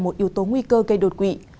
một yếu tố nguy cơ gây đột quỵ